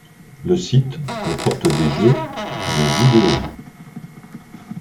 Le site comporte des jeux, des vidéos.